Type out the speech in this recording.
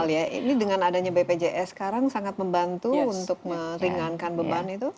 ini dengan adanya bpjs sekarang sangat membantu untuk meringankan beban itu